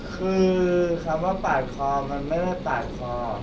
คือคำว่าปาดคอมันไม่ได้ปาดคอ